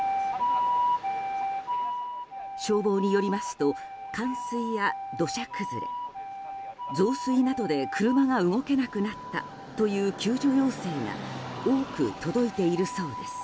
消防によりますと冠水や土砂崩れ増水などで車が動けなくなったという救助要請が多く届いているそうです。